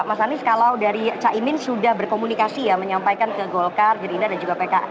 mas anies kalau dari cak imin sudah berkomunikasi ya menyampaikan ke golkar gerindra dan juga pak zulkifliasa